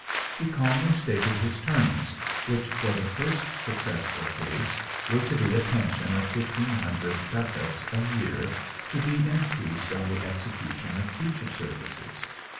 He calmly stated his terms, which for the first successful case were to be a pension of 1,500 ducats a year, to be increased on the execution of future services.